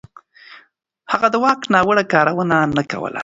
هغه د واک ناوړه کارونه نه کول.